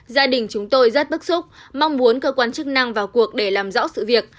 gia đình chúng tôi rất bức xúc mong muốn cơ quan chức năng vào cuộc để làm rõ sự việc